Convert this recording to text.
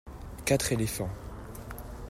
Quatre éléphants.